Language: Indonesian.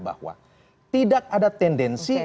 bahwa tidak ada tendensi